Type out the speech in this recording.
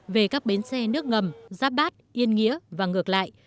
về các bến xe nước ngầm giáp bát yên nghĩa và ngược lại